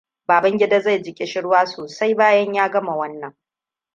Babangida zai ji kishirwa sosai, bayan ya gama wannan.